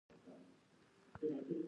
دوی د مناظرې په اړه ناسم پوهاوی لري.